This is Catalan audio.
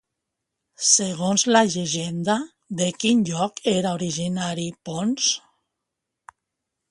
Segons la llegenda, de quin lloc era originari Ponç?